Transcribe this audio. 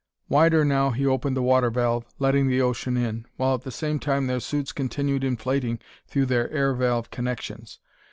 Wider now he opened the water valve, letting the ocean in, while at the same time their suits continued inflating through their air valve connections.